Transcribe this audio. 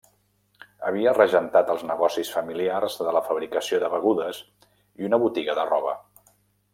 Havia regentat els negocis familiars de la fabricació de begudes i una botiga de roba.